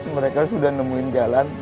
mereka sudah nemuin jalan